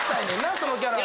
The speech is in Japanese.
そのキャラを。